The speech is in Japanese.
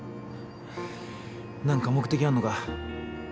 何か目的あんのか？